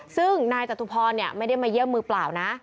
ซึ่งนายจตุพรไม่ได้มาเยี่ยมมือเปล่านะ